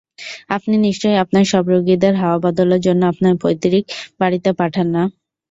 আপনি নিশ্চয়ই আপনার সব রোগীদের হাওয়া-বদলের জন্যে আপনার পৈতৃক বাড়িতে পাঠান না?